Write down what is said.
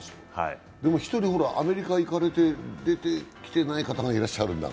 でも１人、アメリカに行かれて出てきてない方がいらっしゃるんだが？